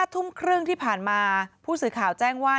ทุ่มครึ่งที่ผ่านมาผู้สื่อข่าวแจ้งว่า